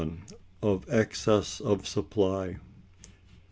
Of Excess Of Supply.